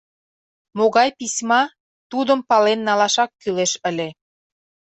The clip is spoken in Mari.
Могай письма, тудым пален налашак кӱлеш ыле.